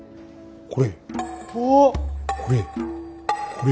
これ。